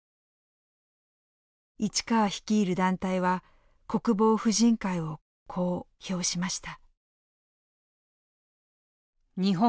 市川率いる団体は国防婦人会をこう評しました。